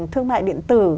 thương mại điện tử